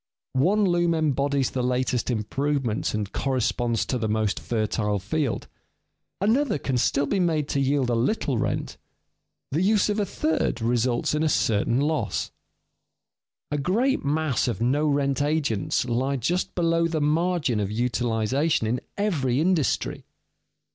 One loom embodies the latest improvements and corresponds to the most fertile field; another can still be made to yield a little rent; the use of a third results in certain loss. A great mass of no rent agents lie just below the margin of utilization in every industry.